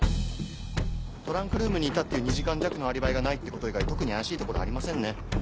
トランクルームにいたっていう２時間弱のアリバイがないってこと以外特に怪しいところありませんね。